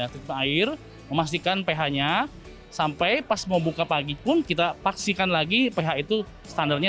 terima kasih ph nya sampai pas mau buka pagi pun kita paksikan lagi ph itu standarnya